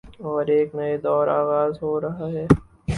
اورایک نئے دور کا آغاز ہو رہاہے۔